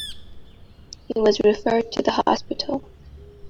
He was referred to the hospital.